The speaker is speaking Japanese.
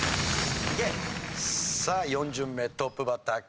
さあ４巡目トップバッターカズ。